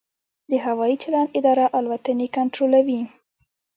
د هوايي چلند اداره الوتنې کنټرولوي